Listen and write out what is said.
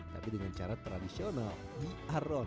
tapi dengan cara tradisional di arlon